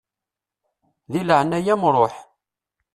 Di leɛnaya-m ṛuḥ.